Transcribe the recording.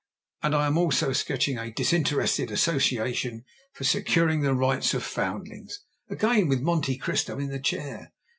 And I am also sketching a 'Disinterested Association for Securing the Rights of Foundlings,' again with Monte Cristo in the chair.